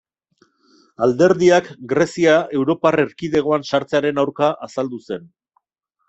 Alderdiak Grezia Europar Erkidegoan sartzearen aurka azaldu zen.